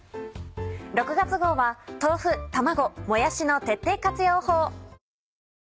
６月号は豆腐卵もやしの徹底活用法。